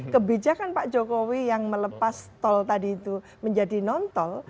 kebijakan pak jokowi yang melepas tol tadi itu menjadi non tol